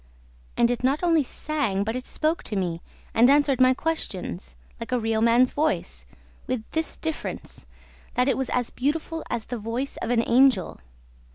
And it not only sang, but it spoke to me and answered my questions, like a real man's voice, with this difference, that it was as beautiful as the voice of an angel.